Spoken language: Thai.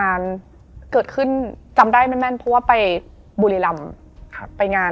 อะไรแบบเนี้ย